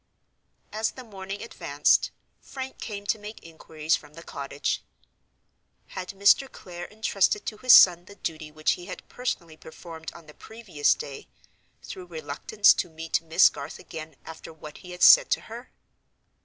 As the morning advanced, Frank came to make inquiries from the cottage. Had Mr. Clare intrusted to his son the duty which he had personally performed on the previous day through reluctance to meet Miss Garth again after what he had said to her?